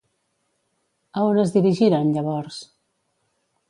A on es dirigiren, llavors?